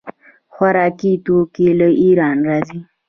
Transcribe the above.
خوراکي توکي له ایران راځي.